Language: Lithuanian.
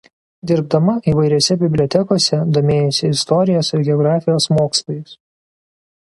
Dirbdama įvairiose bibliotekose domėjosi istorijos ir geografijos mokslais.